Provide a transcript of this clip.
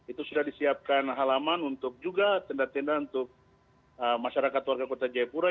itu sudah disiapkan halaman untuk juga tenda tenda untuk masyarakat warga kota jayapura